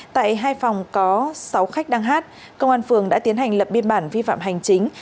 tại hai phòng có sáu khách đang hát công an phường đã tiến hành lập biên bản vi phạm hành chính